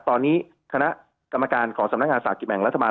ตอนนี้คณะกรรมการของสำนักงานสลากกินแบ่งรัฐบาล